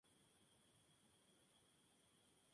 Higuera uniforme, de producción muy alta de higos.